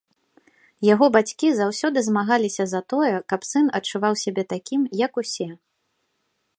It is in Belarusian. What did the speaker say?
Яго бацькі заўсёды змагаліся за тое, каб сын адчуваў сябе такім, як усе.